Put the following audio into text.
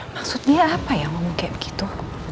maksudnya apa ya ngomong kayak begitu